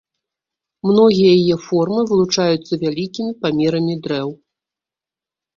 Многія яе формы вылучаюцца вялікімі памерамі дрэў.